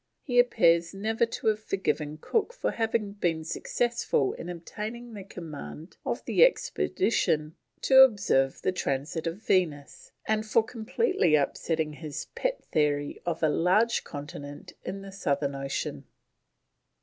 He appears never to have forgiven Cook for having been successful in obtaining the command of the expedition to observe the Transit of Venus, and for completely upsetting his pet theory of a large continent in the Southern Ocean.